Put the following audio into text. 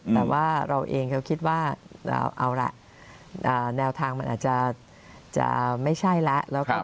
แต่ว่าเราเองเขาคิดว่าเอาละแนวทางมันอาจจะไม่ใช่แล้ว